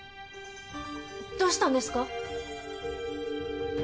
どうしたんですか？